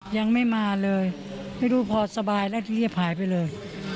ยังไม่มาเลยไม่รู้พอสบายแล้วทีนี้หายไปเลย